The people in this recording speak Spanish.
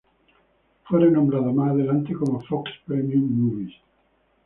Fue renombrado más adelante como Fox Premium Movies.